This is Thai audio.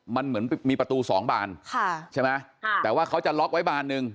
มันเหมือนมีประตูสองบานค่ะใช่ไหมแต่ว่าเขาจะล็อกไว้บานหนึ่ง